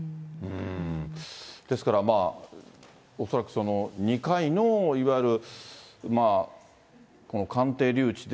ですから、恐らく２回のいわゆるこの鑑定留置で、